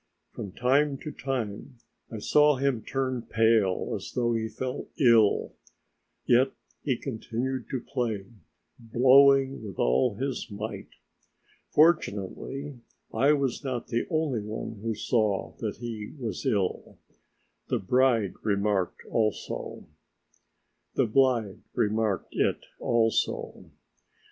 From time to time I saw him turn pale as though he felt ill, yet he continued to play, blowing with all his might. Fortunately, I was not the only one who saw that he was ill; the bride remarked it also.